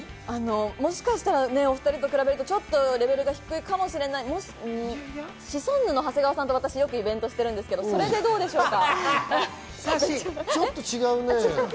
もしかしたらお２人と比べるとレベルが低いかもしれませんけど、シソンヌの長谷川さんとイベントしてるんですけれども、それどうでしょうか？